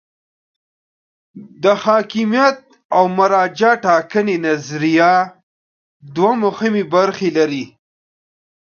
د حاکمیت او مرجع ټاکنې نظریه دوه مهمې برخې لري.